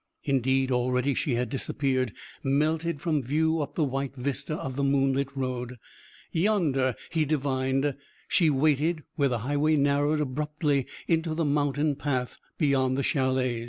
Indeed, already she had disappeared, melted from view up the white vista of the moonlit road. Yonder, he divined, she waited where the highway narrowed abruptly into the mountain path beyond the chalets.